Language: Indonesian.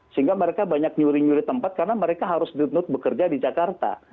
sehingga mereka banyak menyuri nyuri tempat karena mereka harus diut ut bekerja di jakarta